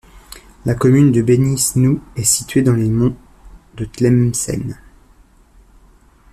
La commune de Beni Snous est située dans les monts de Tlemcen.